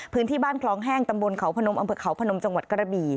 พื้นที่บ้านคลองแห้งตำบลเขาพนมอำเภอเขาพนมจังหวัดกระบี่